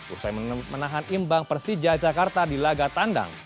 usai menahan imbang persija jakarta di laga tandang